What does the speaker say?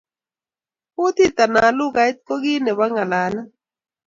Kutiit anan lukait ko kiit nebo ng'alalet